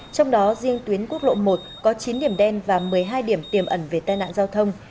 trong đó riêng tuyến quốc lộ một có chín điểm đen và một mươi hai điểm tiềm ẩn về tai nạn giao thông